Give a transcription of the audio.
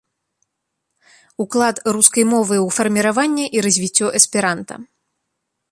Уклад рускай мовы ў фарміраванне і развіццё эсперанта.